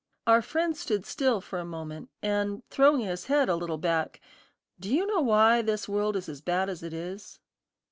Our friend stood still for a moment, and throwing his head a little back, "Do you know why this world is as bad as it is?"